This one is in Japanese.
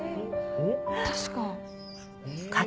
確か。